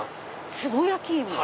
つぼ焼き芋？